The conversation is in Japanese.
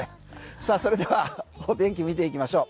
さあそれではお天気見ていきましょう。